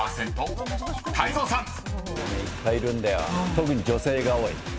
特に女性が多い。